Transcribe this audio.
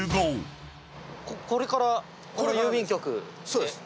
そうです。